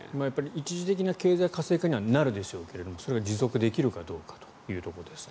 一時的な経済活性化にはなるでしょうけどもそれが持続できるかどうかというところですね。